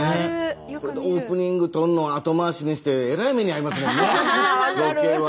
オープニング撮るの後回しにしてえらい目に遭いますもんねロケは。